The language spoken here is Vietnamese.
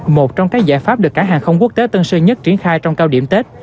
một trong các giải pháp được cảng hàng không quốc tế tân sơn nhất triển khai trong cao điểm tết